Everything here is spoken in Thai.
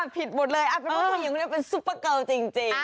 ผิดหมดเลยเค้าเป็นซุปเปอร์เกิลจริง